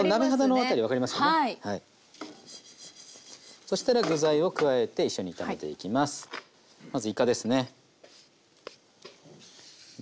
そしたら具材を加えて一緒に炒めていきます。